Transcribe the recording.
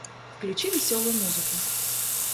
Включи весёлую музыку